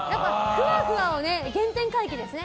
ふわふわを原点回帰ですね。